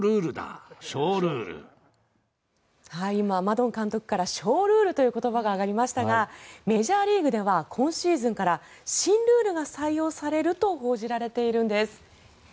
今、マドン監督から翔ルールという言葉が上がりましたがメジャーリーグでは今シーズンから新ルールが採用されると報じられているんです。